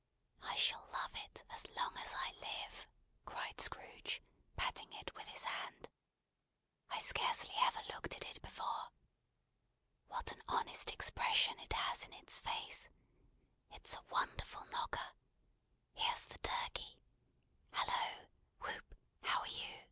"I shall love it, as long as I live!" cried Scrooge, patting it with his hand. "I scarcely ever looked at it before. What an honest expression it has in its face! It's a wonderful knocker! Here's the Turkey! Hallo! Whoop! How are you!